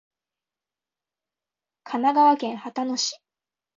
神奈川県秦野市